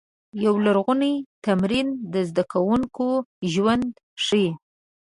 یو لرغونی تمرین د زده کوونکو ژوند ښيي.